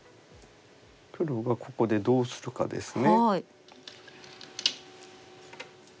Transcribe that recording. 黒がここでどうするかですね。